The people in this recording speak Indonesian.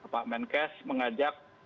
pak menkes mengajak